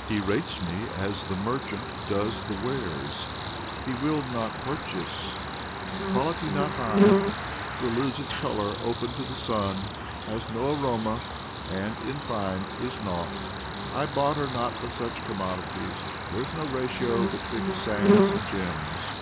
He rates me as the merchant does the wares He will not purchase "quality not high 'Twill lose its color opened to the sun, Has no aroma, and, in fine, is naught I barter not for such commodities There is no ratio betwixt sands and gems."